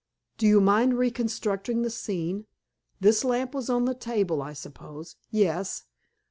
"Do you mind reconstructing the scene. This lamp was on the table, I suppose?" "Yes."